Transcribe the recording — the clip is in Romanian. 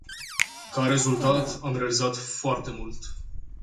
Ca rezultat, am realizat foarte mult.